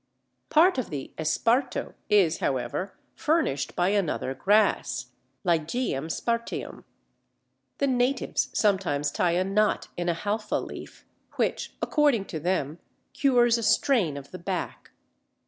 Part of the "esparto" is, however, furnished by another grass (Lygeum sparteum). The natives sometimes tie a knot in a halfa leaf, which, according to them, cures a strain of the back.